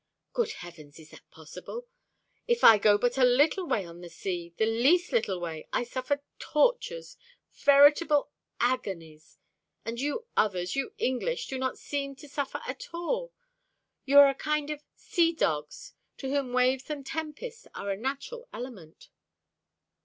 "Good heavens, is that possible? If I go but a little way on the sea, the least little way, I suffer tortures, veritable agonies. And you others, you English, do not seem to suffer at all. You are a kind of sea dogs, to whom waves and tempest are a natural element."